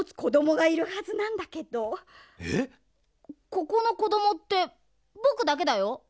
ここのこどもってぼくだけだよ。